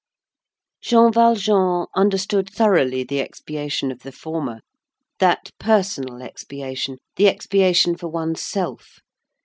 Jean Valjean understood thoroughly the expiation of the former; that personal expiation, the expiation for one's self.